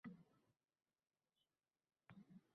Qizchani ertasi kuni ertalab qabrga qo`yishdi